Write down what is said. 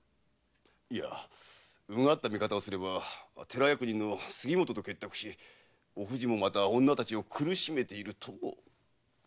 いや穿った見方をすれば寺役人の杉本と結託しお藤もまた女たちを苦しめているとも。